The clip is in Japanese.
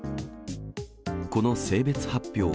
この性別発表。